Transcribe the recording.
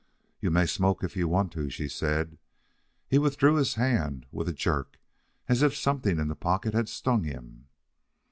"You may smoke, if you want to," she said. He withdrew his hand with a jerk, as if something in the pocket had stung him.